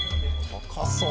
高そう。